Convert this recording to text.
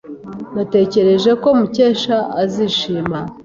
Natekereje ko Mukesha azishima.